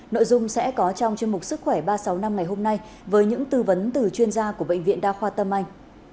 nội dung sẽ có trong chương mục sức khỏe ba trăm sáu mươi năm ngày hôm nay với những tư vấn từ chuyên gia của bệnh viện đa khoa tâm anh